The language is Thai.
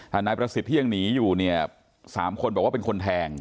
นายประสิทธิ์ที่ยังหนีอยู่เนี่ย๓คนบอกว่าเป็นคนแทง